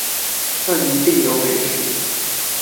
但一定有美食